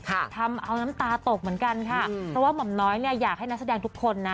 ทำเอาน้ำตาตกเหมือนกันค่ะเพราะว่าหม่อมน้อยเนี่ยอยากให้นักแสดงทุกคนนะ